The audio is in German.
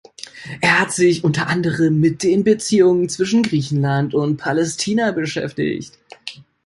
Er hat sich unter anderem mit den Beziehungen zwischen Griechenland und Palästina beschäftigt.